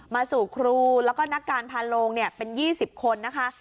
มาสู่ครูแล้วก็นักการพาโลงเนี่ยเป็นยี่สิบคนนะคะ